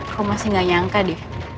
aku masih gak nyangka deh